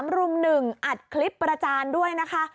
รุ่ม๑อัดคลิปประจานด้วยนะคะ